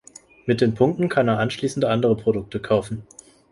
Mit den Punkten kann er anschliessend andere Produkte kaufen.